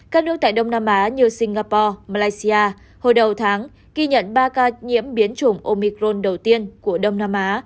các nước tại đông nam á như singapore malaysia hồi đầu tháng ghi nhận ba ca nhiễm biến chủng omicron đầu tiên của đông nam á